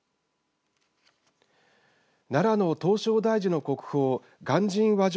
奈良の唐招提寺の国宝鑑真和上